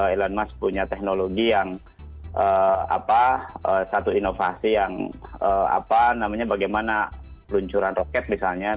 elon musk punya teknologi yang satu inovasi yang apa namanya bagaimana peluncuran roket misalnya